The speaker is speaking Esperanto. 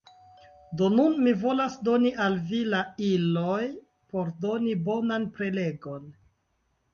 Do nun mi volas doni al vi la iloj por doni bonan prelegon.